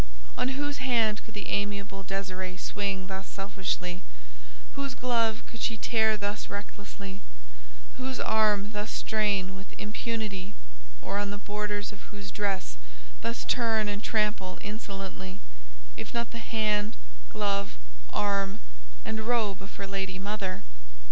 On whose hand could the amiable Désirée swing thus selfishly, whose glove could she tear thus recklessly, whose arm thus strain with impunity, or on the borders of whose dress thus turn and trample insolently, if not the hand, glove, arm, and robe of her lady mother?